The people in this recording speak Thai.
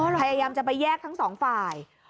พยายามจะไปแยกทั้งสองฝ่าย